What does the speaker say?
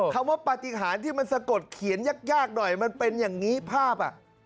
คำว่าปฏิหารที่มันสะกดเขียนยากหน่อยมันเป็นอย่างนี้ภาพ